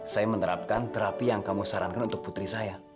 saya menerapkan terapi yang kamu sarankan untuk putri saya